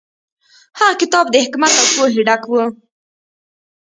هغه کتاب د حکمت او پوهې ډک و.